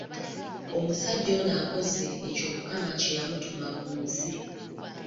Omusajja ono akoze ekyo Mukama kye yamutuma ku nsi.